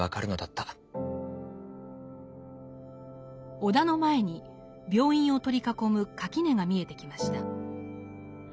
尾田の前に病院を取り囲む垣根が見えてきました。